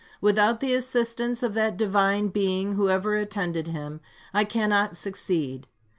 With out the assistance of that Divine Being who ever attended him, I cannot succeed.